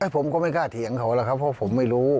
ผมก็ไม่กล้าเถียงเขาหรอกครับเพราะผมไม่รู้